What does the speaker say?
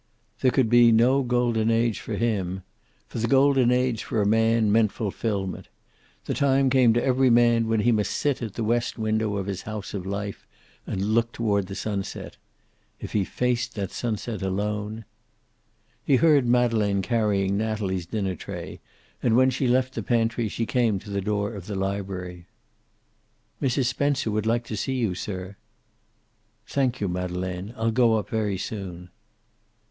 There could be no Golden Age for him. For the Golden Age for a man meant fulfillment. The time came to every man when he must sit at the west window of his house of life and look toward the sunset. If he faced that sunset alone He heard Madeleine carrying down Natalie's dinner tray, and when she left the pantry she came to the door of the library. "Mrs. Spencer would like to see you, sir." "Thank you, Madeleine. I'll go up very soon."